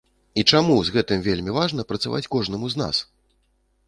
І чаму з гэтым вельмі важна працаваць кожнаму з нас?